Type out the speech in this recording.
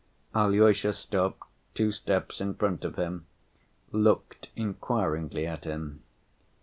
Alyosha stopped two steps in front of him, looking inquiringly at him.